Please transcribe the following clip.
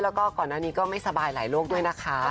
แล้วก็ก่อนหน้านี้ก็ไม่สบายหลายโรคด้วยนะคะ